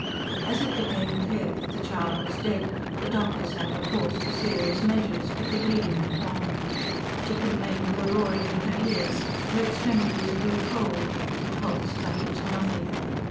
As it became clear that the child was dead, the doctors had recourse to serious measures. But the bleeding went on. She complained of a roaring in her ears, her extremities grew cold, her pulse fluttered to nothing.